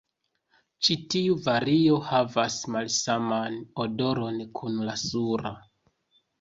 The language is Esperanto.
Ĉi tiu vario havas malsaman odoron kun la sura.